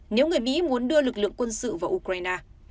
nếu người mỹ muốn đưa lực lượng quân sự vào ukraine